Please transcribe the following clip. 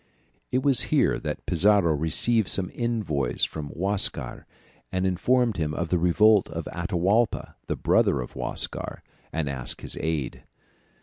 It was here that Pizarro received some envoys from Huascar, who informed him of the revolt of Atahualpa, the brother of Huascar, and asked his aid.